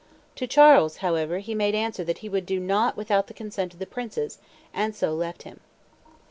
To Charles, however, he made answer that he would do nought without the consent of the princes; and so left him."